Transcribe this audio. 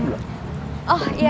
si botol kecap tuh mau